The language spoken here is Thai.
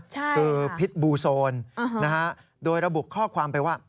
ใช่ค่ะคือพิษบูโซนนะฮะโดยระบุข้อความไปว่า